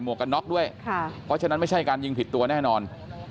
วกกันน็อกด้วยเพราะฉะนั้นไม่ใช่การยิงผิดตัวแน่นอน